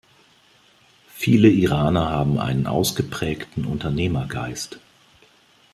Viele Iraner haben einen ausgeprägten Unternehmergeist.